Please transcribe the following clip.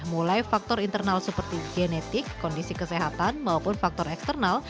mulai faktor internal seperti genetik kondisi kesehatan maupun faktor eksternal